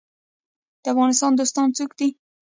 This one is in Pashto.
د افغانستان دوستان څوک دي؟